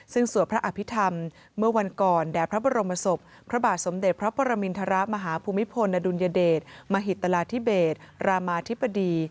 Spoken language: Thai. ซึ่งสวดพระอภิษฐรรมเมื่อวันก่อนแด่พระบรมศพพระบาทสมเด็จพระปรมินทรมาฮภูมิพลอดุลยเดชมหิตราธิเบศรามาธิบดี